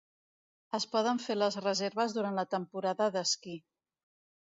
Es poden fer les reserves durant la temporada d'esquí.